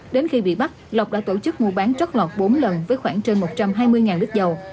đến khi bị bắt lộc đã tổ chức mua bán chót lọt bốn lần với khoảng trên một trăm hai mươi lít dầu